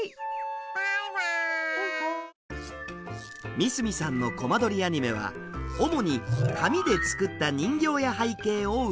三角さんのコマ撮りアニメは主に紙で作った人形や背景を動かしていくもの。